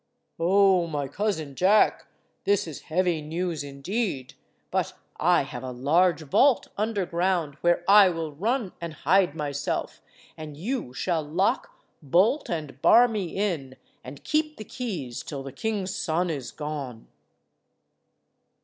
"O my cousin Jack, this is heavy news indeed, but I have a large vault underground where I will run and hide myself, and you shall lock, bolt, and bar me in, and keep the keys till the king's son is gone."